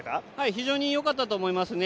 非常に良かったと思いますね。